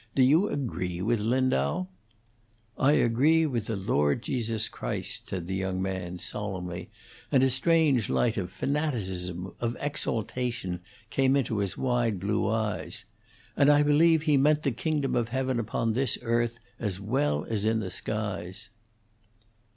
"Do you agree with Lindau?" "I agree with the Lord Jesus Christ," said the young man, solemnly, and a strange light of fanaticism, of exaltation, came into his wide blue eyes. "And I believe He meant the kingdom of heaven upon this earth, as well as in the skies."